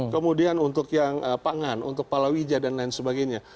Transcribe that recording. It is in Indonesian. kemudian untuk yang pangan untuk palawija dan lain sebagainya